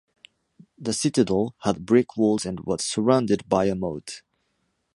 The citadel had brick walls and was surrounded by a moat.